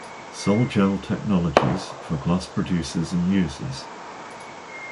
Sol-Gel Technologies for Glass Producers and Users.